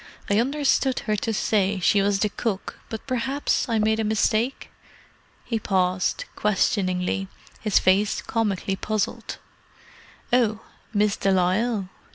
"I understood her to say she was the cook, but perhaps I made a mistake?" He paused, questioningly, his face comically puzzled. "Oh—Miss de Lisle?"